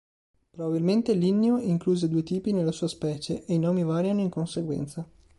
Probabilmente Linneo incluse due tipi nella sua specie e i nomi variano in conseguenza.